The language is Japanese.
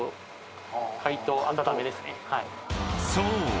［そう。